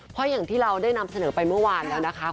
เพราะอย่างที่เราได้นำเสนอไปเมื่อวานแล้วนะคะ